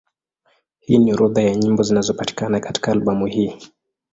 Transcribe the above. Hii ni orodha ya nyimbo zinazopatikana katika albamu hii.